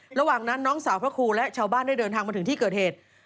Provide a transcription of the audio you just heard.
ระหว่างนั้นน้องสาวพระครูและชาวบ้านได้เดินทางมาถึงที่เกิดเหตุ